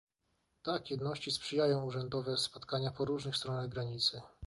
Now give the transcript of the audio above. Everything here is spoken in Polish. Tak, jedności sprzyjają urzędowe spotkania po różnych stronach granicy